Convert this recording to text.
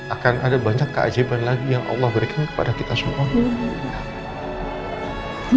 akan ada banyak keajaiban lagi yang allah berikan kepada kita semuanya